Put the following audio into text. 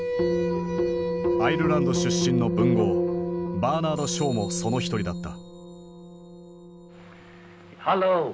アイルランド出身の文豪バーナード・ショーもその一人だった。